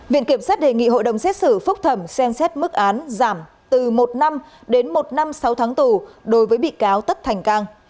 viện kiểm sát đề nghị hội đồng xét xử phúc thẩm xem xét mức án giảm từ một năm đến một năm sáu tháng tù đối với bị cáo tất thành cang